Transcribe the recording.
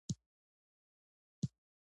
والي د چا لخوا ګمارل کیږي؟